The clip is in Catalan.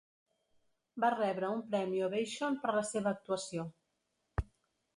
Va rebre un premi Ovation per la seva actuació.